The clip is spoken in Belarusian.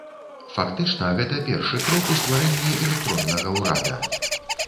Фактычна, гэта першы крок у стварэнні электроннага ўрада.